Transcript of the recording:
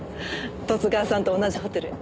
十津川さんと同じホテルへ。